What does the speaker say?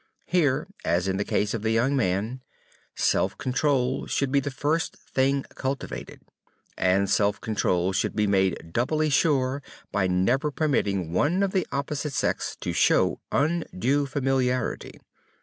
Here, as in the case of the young man, self control should be the first thing cultivated. And self control should be made doubly sure by never permitting one of the opposite sex to show undue familiarity.